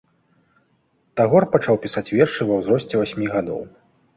Тагор пачаў пісаць вершы ва ўзросце васьмі гадоў.